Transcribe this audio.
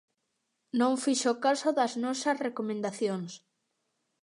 Non fixo caso das nosas recomendacións.